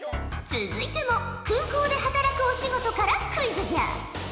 続いても空港で働くお仕事からクイズじゃ。